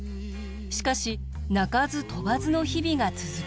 しかし鳴かず飛ばずの日々が続きました。